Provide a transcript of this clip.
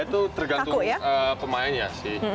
itu tergantung pemainnya sih